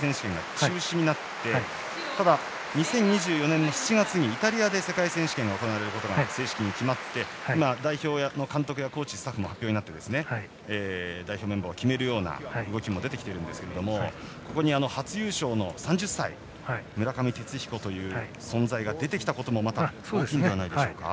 フランスの世界選手権が中止になって２０２４年の７月にイタリアで世界選手権が行われることが正式に決まり代表の監督やコーチ、スタッフも発表になって代表メンバーを決める動きになりますが初出場の３０歳、村上という選手が出てきたこともまた大きいのではないでしょうか。